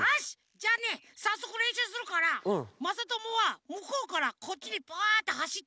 じゃあねさっそくれんしゅうするからまさともはむこうからこっちにバッてはしって。